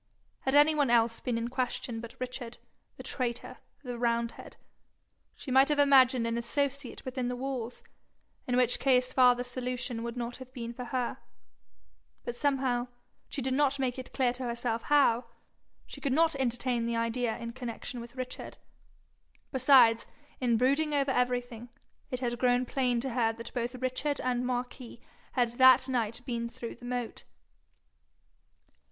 Had any one else been in question but Richard, the traitor, the roundhead, she might have imagined an associate within the walls, in which case farther solution would not have been for her; but somehow, she did not make it clear to herself how, she could not entertain the idea in connection with Richard. Besides, in brooding over everything, it had grown plain to her that both Richard and Marquis had that night been through the moat.